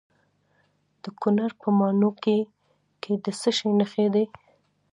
د کونړ په ماڼوګي کې د څه شي نښې دي؟